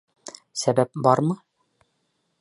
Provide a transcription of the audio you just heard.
Сәбәп бармы?